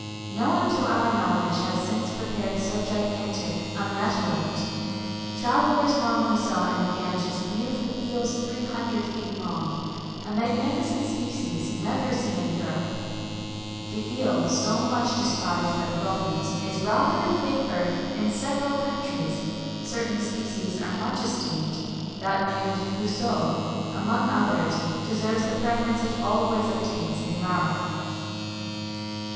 [XXI 133] No one to our knowledge has since prepared so gigantic a matelote. Travellers formerly saw in the Ganges beautiful eels 300 feet long[XXI 134] a magnificent species never seen in Europe. "The eel, so much despised by the Romans, is rather in favour in several countries; certain species are much esteemed, that named Guiseau, among others, deserves the preference it always obtains at Rouen."